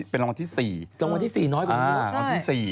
เป็นร้อนที่สี่